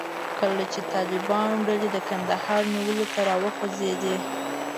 کله چې د طالبانو ډلې د کندهار نیولو ته راوخوځېدې.